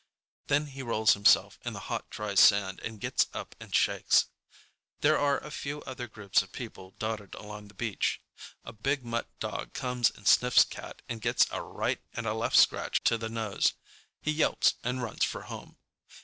Then he rolls himself in the hot, dry sand and gets up and shakes. There are a few other groups of people dotted along the beach. A big mutt dog comes and sniffs Cat and gets a right and a left scratch to the nose. He yelps and runs for home.